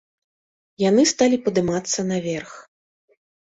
Яны сталі падымацца наверх.